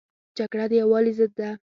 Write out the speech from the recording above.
جګړه د یووالي ضد ده